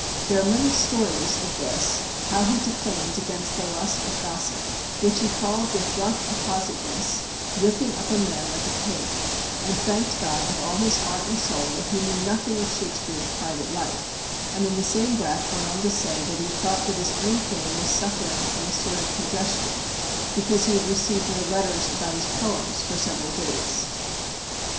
There are many stories of this, how he declaimed against the lust of gossip, which he called with rough appositeness "ripping up a man like a pig," and thanked God with all his heart and soul that he knew nothing of Shakespeare's private life; and in the same breath went on to say that he thought that his own fame was suffering from a sort of congestion, because he had received no letters about his poems for several days.